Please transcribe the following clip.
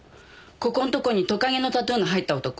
ここんとこにトカゲのタトゥーの入った男。